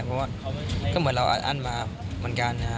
เพราะว่าก็เหมือนเราอัดอั้นมาเหมือนกันนะฮะ